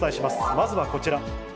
まずはこちら。